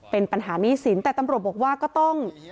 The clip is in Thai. เป็นปัญหาหนี้สินแต่ตำรวจบอกว่าก็ต้อง